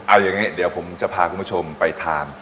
เอาอย่างนี้เดี๋ยวผมจะพาคุณผู้ชมไปทาน